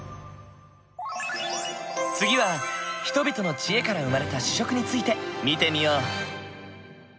次は人々の知恵から生まれた主食について見てみよう。